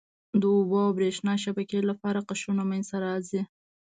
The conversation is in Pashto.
د اوبو او بریښنا شبکې لپاره قشرونه منځته راځي.